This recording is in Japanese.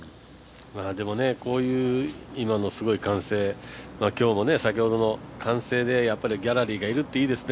でも、こういう今の歓声今日も先ほども歓声でギャラリーがいるっていいですね。